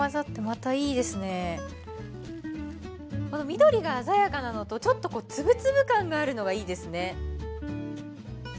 緑が鮮やかなのとちょっとつぶつぶ感があるのがいいですね。